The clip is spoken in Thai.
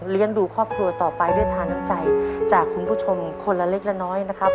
ดูครอบครัวต่อไปด้วยทาน้ำใจจากคุณผู้ชมคนละเล็กละน้อยนะครับ